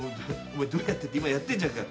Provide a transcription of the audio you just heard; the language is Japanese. どうやってって今やってんじゃんか。